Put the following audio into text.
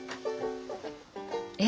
え？